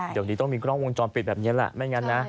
เดี๋ยวนี้ต้องมีกล้องวงจรปิดแบบนี้แหละไม่งั้นนะ